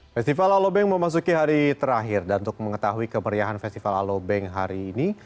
festival alobank memasuki hari terakhir dan untuk mengetahui kemeriahan festival alobank hari ini